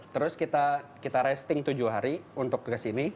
terus kita resting tujuh hari untuk ke sini